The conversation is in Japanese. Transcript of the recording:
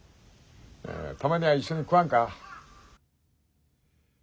たまには一緒に食わんか？